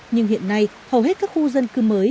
nhưng hiện nay hầu hết các khu dân cư mới